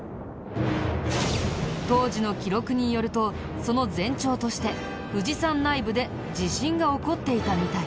当時の記録によるとその前兆として富士山内部で地震が起こっていたみたい。